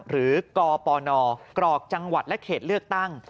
กปนกรอกจังหวัดและเขตเลือกตั้ง